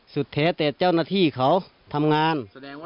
สุดเทแต่เจ้าหน้าที่เขาทำงาน